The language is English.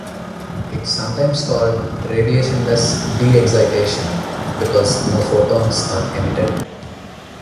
It is sometimes called "radiationless de-excitation", because no photons are emitted.